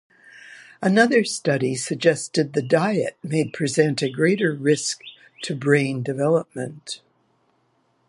Another study suggested the diet may present a greater risk to brain development.